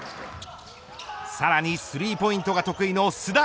さらにスリーポイントが得意の須田。